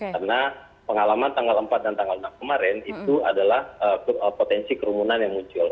karena pengalaman tanggal empat dan tanggal enam kemarin itu adalah potensi kerumunan yang muncul